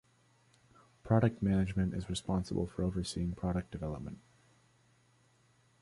Product Management is responsible for overseeing product development.